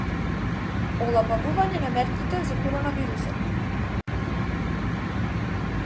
Олабавување на мерките за коронавирусот